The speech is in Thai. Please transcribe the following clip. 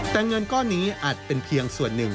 แต่เงินก้อนนี้อาจเป็นเพียงส่วนหนึ่ง